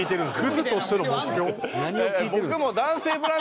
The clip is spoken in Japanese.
クズとしての目標？